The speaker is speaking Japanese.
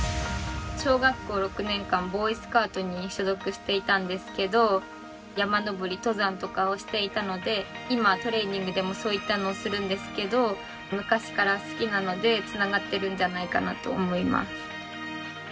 小学校６年間、ボーイスカウトに所属していたんですけど山登り、登山とかをしていたので今、トレーニングでもそういったのをするんですけど昔から好きなのでつながっているんじゃないかなと思います。